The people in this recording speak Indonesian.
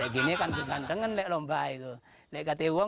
lagi ini kan ganteng ganteng lek lomba itu